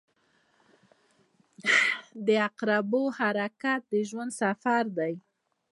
• د عقربو حرکت د ژوند سفر دی.